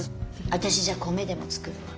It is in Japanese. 私じゃあ米でも作るわ。